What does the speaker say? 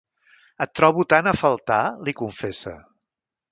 Et trobo tant a faltar, li confessa.